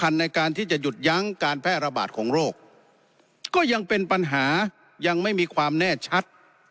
ในการที่จะหยุดยั้งการแพร่ระบาดของโรคก็ยังเป็นปัญหายังไม่มีความแน่ชัด